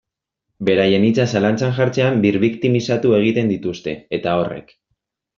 Beraien hitza zalantzan jartzean birbiktimizatu egiten dituzte, eta horrek.